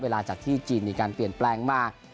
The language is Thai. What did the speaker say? จากที่จีนมีการเปลี่ยนแปลงมา